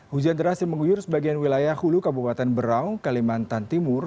hujan terhasil menguyur sebagian wilayah hulu kabupaten berau kalimantan timur